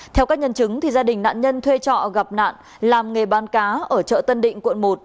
theo các nhân chứng gia đình nạn nhân thuê trọ gặp nạn làm nghề bán cá ở chợ tân định quận một